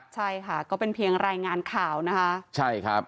ใช่ค่ะก็เป็นเพียงรายงานข่าวนะฮะ